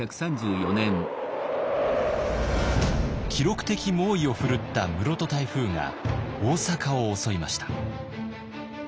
記録的猛威を振るった室戸台風が大阪を襲いました。